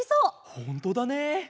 ほんとだね。